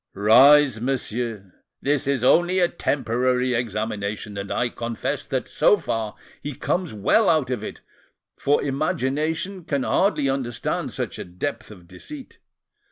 "Rise, monsieur. This is only a preliminary examination, and I confess that, so far, he comes well out of it, for imagination can hardly understand such a depth of deceit.